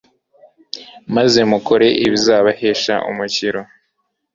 maze mukore ibizabahesha umukiro